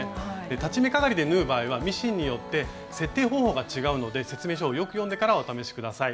裁ち目かがりで縫う場合はミシンによって設定方法が違うので説明書をよく読んでからお試し下さい。